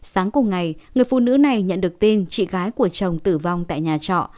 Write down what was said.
sáng cùng ngày người phụ nữ này nhận được tin chị gái của chồng tử vong tại nhà trọ